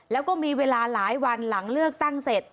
แล้วก็มีเวลาหลายวันหลังเลือกตั้งเสร็จ